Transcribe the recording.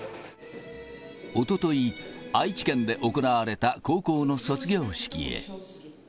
おととい、愛知県で行われた高校の卒業式へ。